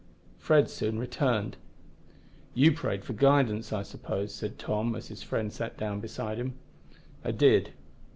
Fred soon returned. "You prayed for guidance, I suppose?" said Tom, as his friend sat down beside him. "I did."